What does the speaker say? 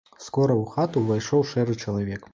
Скора ў хату ўвайшоў шэры чалавек.